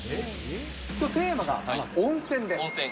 きょう、テーマが温泉です。